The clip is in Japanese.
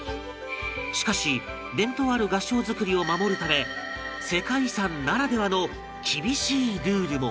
しかし伝統ある合掌造りを守るため世界遺産ならではの厳しいルールも